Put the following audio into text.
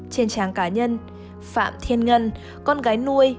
trên trang cá nhân phạm thiên ngân con gái nuôi